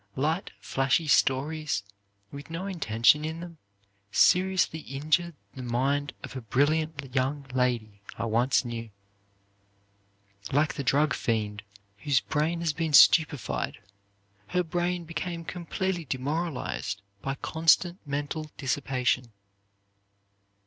Light, flashy stories, with no intention in them, seriously injured the mind of a brilliant young lady, I once knew. Like the drug fiend whose brain has been stupefied, her brain became completely demoralized by constant mental dissipation.